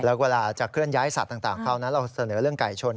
แล้วเวลาจะเคลื่อนย้ายสัตว์ต่างเข้านะเราเสนอเรื่องไก่ชน